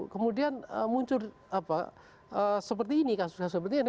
kemudian muncul seperti ini kasus kasus seperti ini